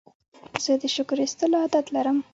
زه د شکر کښلو عادت لرم.